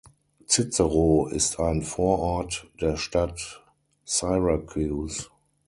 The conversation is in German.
Cicero ist ein Vorort der Stadt Syracuse.